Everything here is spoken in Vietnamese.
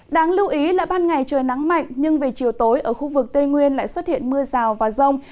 đáng lưu ý là ban ngày trời nắng mạnh nhưng về chiều tối ở khu vực tây nguyên lại xuất hiện mưa rào và rông